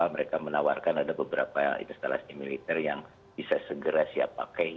mereka menawarkan ada beberapa instalasi militer yang bisa segera siap pakai